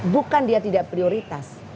bukan dia tidak prioritas